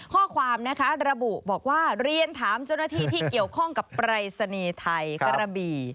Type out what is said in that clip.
ข้อความนะคะระบุบอกว่าเรียนถามเจ้าหน้าที่ที่เกี่ยวข้องกับปรายศนีย์ไทยกระบี่